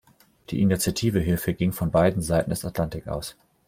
Die Initiative hierfür ging von beiden Seiten des Atlantik aus.